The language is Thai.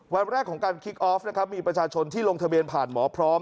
วันแรกของการคิกออฟนะครับมีประชาชนที่ลงทะเบียนผ่านหมอพร้อม